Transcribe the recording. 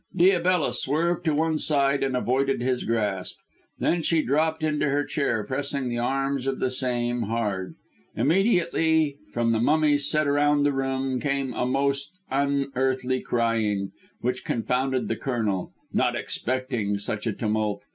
Diabella swerved to one side and avoided his grasp. Then she dropped into her chair, pressing the arms of the same hard. Immediately from the mummies set round the room came a most unearthly crying, which confounded the Colonel, not expecting such a tumult.